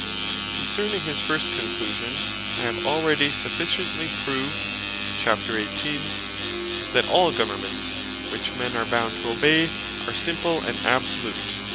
Concerning his first Conclusion, I have already sufficiently proved (chapt. 18.) that all Governments which men are bound to obey, are Simple, and Absolute.